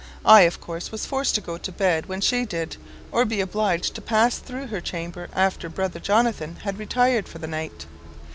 I, of course, was forced to go to bed when she did, or be obliged to pass through her chamber after brother Jonathan had retired for the night.